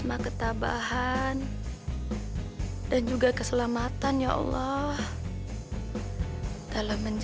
men kayaknya gue kena dia men